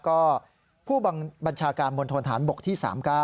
ก็ผู้บัญชาการมณฑนฐานบกที่๓๙